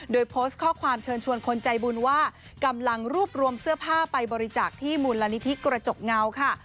โดยโพสต์ข้อความเชิญชวนคนใจบุญว่ากำลังรวบรวมเสื้อผ้าไปบริจาคที่มูลนิธิกระจกเงาค่ะ